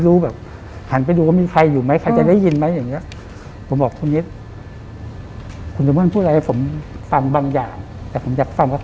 ผู้มั่นพูดอะไรให้ผมฟังบางอย่างแต่ผมอยากฟังว่า